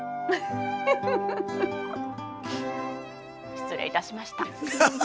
失礼いたしました。